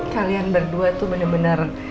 kalian berdua tuh bener bener